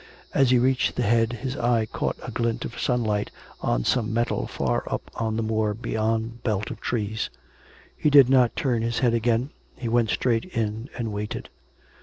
As he reached the head his eye caught a glint of sunlight on some metal far up on the moor beyond the belt of trees. He did not turn his head again; he went straight in and waited.